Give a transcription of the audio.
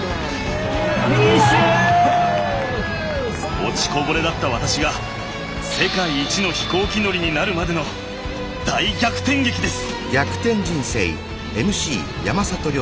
落ちこぼれだった私が世界一の飛行機乗りになるまでの大逆転劇です。